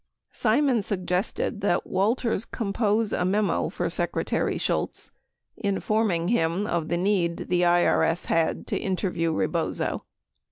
Simon sug gested that Walters compose a memo for Secretary Shultz, informing him of the need the IRS had to interview Rebozo.